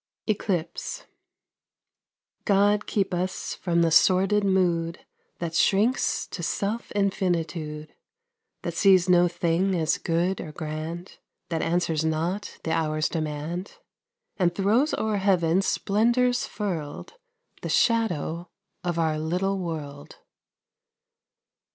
Eclipse. GOD keep us from the sordid mood That shrinks to self infinitude, That sees no thing as good or grand, That answers not the hour's demand, And throws o'er Heaven's splendors furled The shadow of our little world.